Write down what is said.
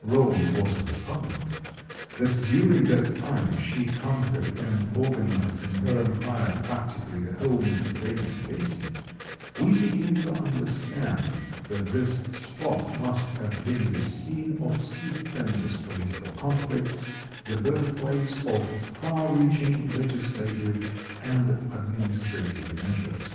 Rome was a republic, that during that time she conquered and organized in her empire practically the whole Mediterranean basin, we begin to understand that this spot must have been the scene of stupendous political conflicts, the birthplace of far reaching legislative and administrative measures.